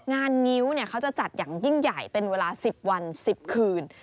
งิ้วเขาจะจัดอย่างยิ่งใหญ่เป็นเวลา๑๐วัน๑๐คืน